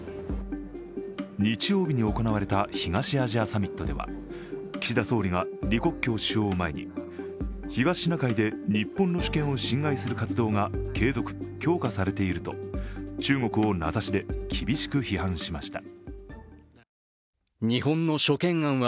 日曜日に行われた東アジアサミットでは、岸田総理が李克強首相を前に東シナ海で日本の主権を侵害する活動が継続・強化されていると中国を名指しで厳しく批判しました。